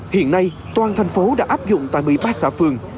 hiện nay toàn thành phố đã áp dụng tại một mươi ba xã phường